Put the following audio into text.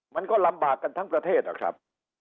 มันก็ลำบากกันทั้งประเทศนะครับ